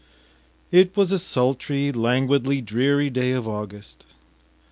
It was a sultry, languidly dreary day of August.